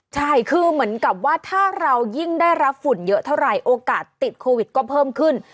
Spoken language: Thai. ใช่คือเหมือนกับว่าถ้าเรายิ่งได้รับฝุ่นเยอะเท่าไหร่โอกาสติดโควิดก็เพิ่มขึ้น